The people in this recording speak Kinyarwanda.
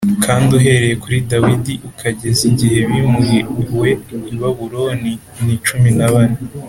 kandi uhereye kuri Dawidi ukageza igihe bimuriwe i Babuloni ni cumi na bane,